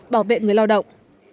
bảo vệ người lao động